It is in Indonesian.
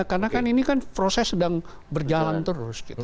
karena ini kan proses sedang berjalan terus